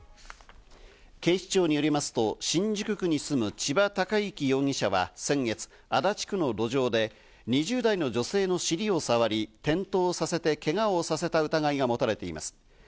警視庁によりますと、新宿区に住む千葉貴之容疑者は、先月、足立区の路上で２０代の女性の尻を触り、転倒させてけがをさせた疑いがもたれています。